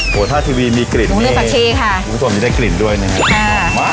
โหถ้าทีวีมีกลิ่นหมูเลือดผักชีค่ะหมูส่วนมีได้กลิ่นด้วยนี่ค่ะค่ะออกมา